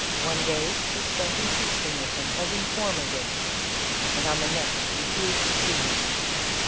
One day she spent in feasting with him at in former days, and on the next refused to see him.